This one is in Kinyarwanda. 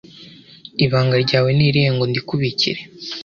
Ibanga ryawe nirihe ngo ndikubikire